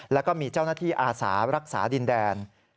แล้วก็มีเจ้าหน้าที่อาสารักษาดินแดน